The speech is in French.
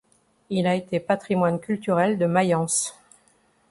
Il a été patrimoine culturel de Mayence.